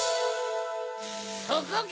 そこか！